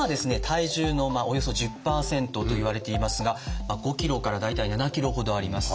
体重のおよそ１０％といわれていますが５ｋｇから大体７ｋｇほどあります。